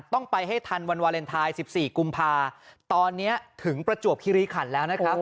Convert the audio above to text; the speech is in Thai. ต้องไปให้ทันวันวาเลนไทย๑๔กุมภาตอนนี้ถึงประจวบคิริขันแล้วนะครับ